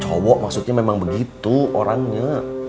cowok maksudnya memang begitu orangnya